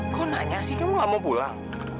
kok nanya sih kamu gak mau pulang